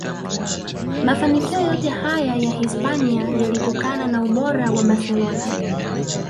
Mafanikio yote haya ya Hispania yalitokana na ubora wa Barcelona